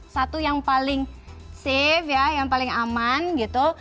satu yang paling safe ya yang paling aman gitu